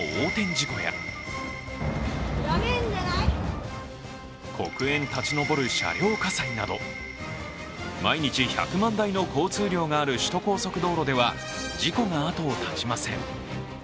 事故や黒煙立ち上る車両火災など毎日１００万台の交通量がある首都高速道路では事故が後を絶ちません。